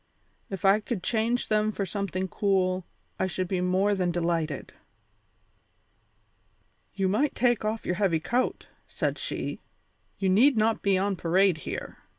If I could change them for something cool I should be more than delighted." "You might take off your heavy coat," said she; "you need not be on parade here.